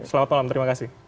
selamat malam terima kasih